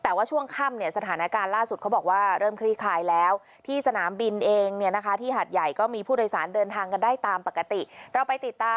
แต่ว่าช่วงค่ำเนี่ยสถานการณ์ล่าสุดเขาบอกว่าเริ่มคลี่คลายแล้วที่สนามบินเองเนี่ยนะคะที่หาดใหญ่ก็มีผู้โดยสารเดินทางกันได้ตามปกติเราไปติดตาม